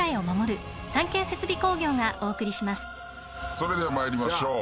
それでは参りましょう。